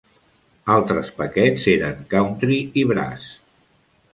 Altres paquets eren "Country" i "Brass".